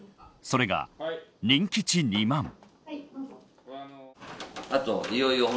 それが人気値２万。